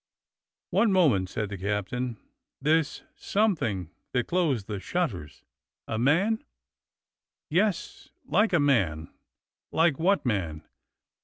"One moment," said the captain; "this something that closed the shutters — a man.'^" "Yes, like a man." "Like what man.